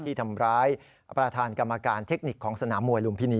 ที่ทำร้ายประธานกรรมการเทคนิคของสนามมวยลุมพินี